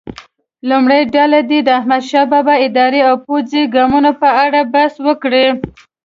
لومړۍ ډله دې د احمدشاه بابا اداري او پوځي ګامونو په اړه بحث وکړي.